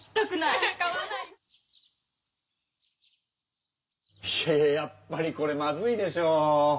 いやいややっぱりこれまずいでしょ。